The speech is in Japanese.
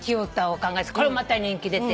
これもまた人気出て。